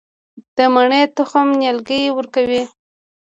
د مڼې تخم نیالګی ورکوي؟